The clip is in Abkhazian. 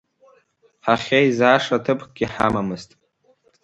Ҳахьеизаша ҭыԥкгьы ҳамамызт.